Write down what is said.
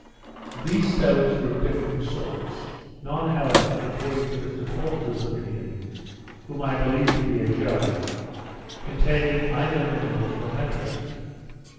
These stones were of different sorts; none however, according to Mr Forster's opinion, (whom I believe to be a judge,) containing either minerals or metals.